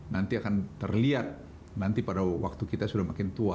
nanti akan terlihat nanti pada waktu kita sudah makin tua